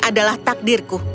ini adalah takdirku